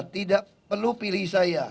tidak perlu pilih saya